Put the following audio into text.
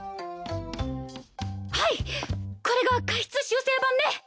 はいこれが加筆修正版ね！